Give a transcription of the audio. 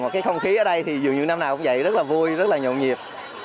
cái không khí ở đây thì dường như năm nào cũng vậy rất là vui rất là nhộn nhịp